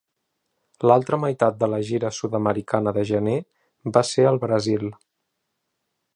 L'altra meitat de la gira sud-americana de gener va ser al Brasil.